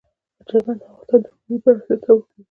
چرګان د افغانستان د ښاري پراختیا سبب کېږي.